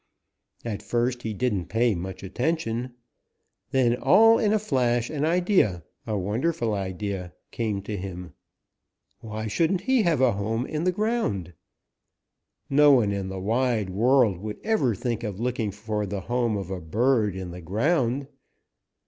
At first he didn't pay much attention. Then all in a flash an idea, a wonderful idea, came to him. Why shouldn't he have a home in the ground? No one in the wide world would ever think of looking for the home of a bird in the ground.